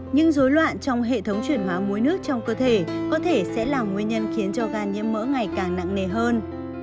những dối loạn trong hệ thống chuyển hóa muối nước trong cơ thể có thể sẽ là nguyên nhân khiến cho gan nhiễm mỡ ngày càng nặng nề hơn